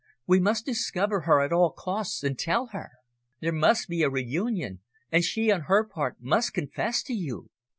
"We must discover her, at all costs, and tell her. There must be a reunion, and she on her part, must confess to you.